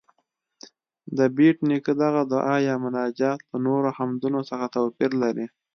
د بېټ نیکه دغه دعا یا مناجات له نورو حمدونو څه توپیر لري؟